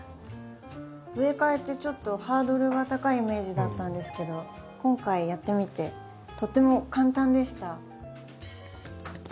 植え替えってちょっとハードルが高いイメージだったんですけど今回やってみてとても簡単でした。